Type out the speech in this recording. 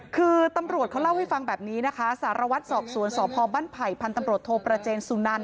คือตำรวจเขาเล่าให้ฟังแบบนี้นะคะสารวัตรสอบสวนสพบ้านไผ่พันธ์ตำรวจโทประเจนสุนัน